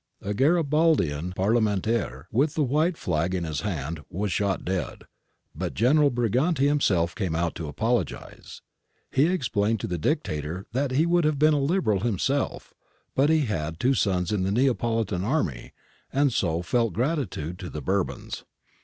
A Garibaldian parlementaire with the white flag in his hand was shot dead, but General Briganti himself came out to apologise. He explained to the Dictator that he would have been a Liberal himself, but that he had two sons in the Neapolitan army and so felt gratitude to the Bourbons.